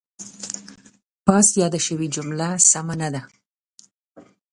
له فرحته واړه باغ و غوړیدلی.